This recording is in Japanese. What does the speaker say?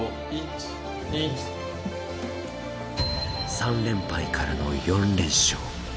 ３連敗からの４連勝。